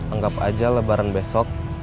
anggap aja lebaran besok